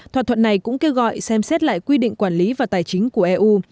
thỏa thuận này cũng kêu gọi xem xét lại quy định quản lý và tài chính của eu